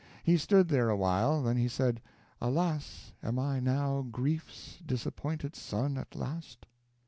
He stood there awhile; then he said, "Alas! am I now Grief's disappointed son at last?"